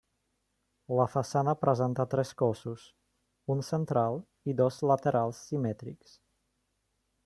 La façana presenta tres cossos, un central i dos laterals simètrics.